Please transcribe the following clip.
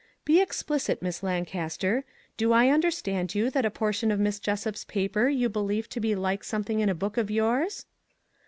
" Be explicit, Miss Lancaster. Do I under stand you that a portion of Miss Jessup's paper you believe to be like something in a book of yours